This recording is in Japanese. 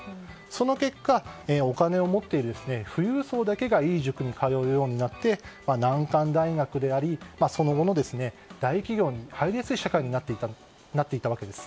その結果、お金を持っている富裕層だけがいい塾に通うようになって難関大学でありその後の大企業に入りやすい社会になっていたわけです。